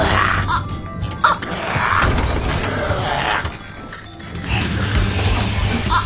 あっあっあ。